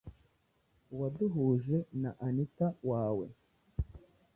uwaduhuje na anita wawe